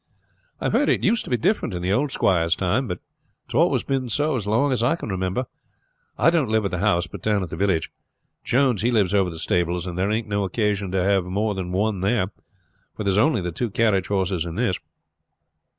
I have heard it used to be different in the old squire's time, but it has always been so as long as I can remember. I don't live at the house, but down at the village. Jones he lives over the stables; and there ain't no occasion to have more than one there, for there's only the two carriage horses and this."